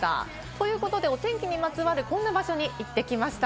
ということでお天気にまつわるこんな場所に行ってきました。